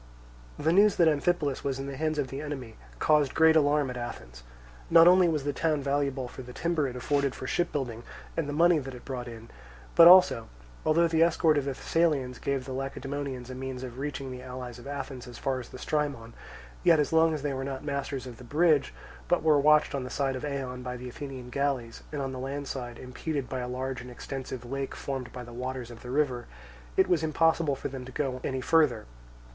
The news that Amphipolis was in the hands of the enemy caused great alarm at Athens. Not only was the town valuable for the timber it afforded for shipbuilding, and the money that it brought in; but also, although the escort of the Thessalians gave the Lacedaemonians a means of reaching the allies of Athens as far as the Strymon, yet as long as they were not masters of the bridge but were watched on the side of Eion by the Athenian galleys, and on the land side impeded by a large and extensive lake formed by the waters of the river, it was impossible for them to go any further.